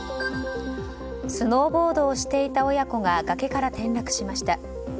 スノーボードをしていた親子が崖から転落しました。